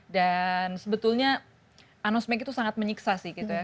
dan sebetulnya anosmik itu sangat menyiksa sih gitu ya